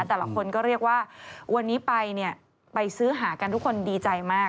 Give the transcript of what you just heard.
แต่ละคนก็เรียกว่าวันนี้ไปเนี่ยไปซื้อหากันทุกคนดีใจมาก